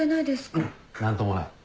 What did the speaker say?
うん何ともない。